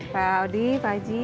pak audi pak haji